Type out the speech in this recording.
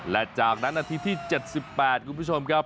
และจากนั้นนาทีที่๗๘คุณผู้ชมครับ